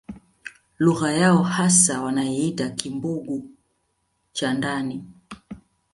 Lugha yao hasa wanaiita Kimbugu cha ndani